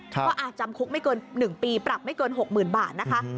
ก็จำคุกไม่เกิน๑ปีปรับไม่เกิน๖๐๐๐บาทนะคะ